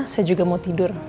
saya juga mau tidur